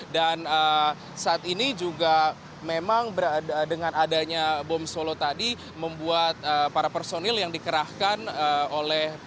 dan saat ini juga memang dengan adanya bom solo tadi membuat para personel yang dikerahkan oleh